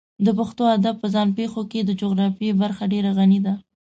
د پښتو ادب په ځان پېښو کې د جغرافیې برخه ډېره غني ده.